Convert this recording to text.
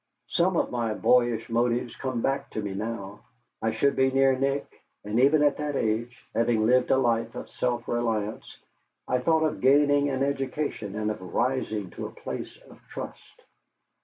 Some of my boyish motives come back to me now: I should be near Nick; and even at that age, having lived a life of self reliance, I thought of gaining an education and of rising to a place of trust.